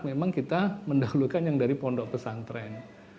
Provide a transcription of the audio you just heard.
memang kita mendahulukan yang dari pondok pesantren